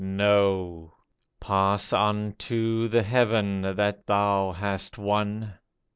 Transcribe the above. No I Pass on To the heaven that thou hast won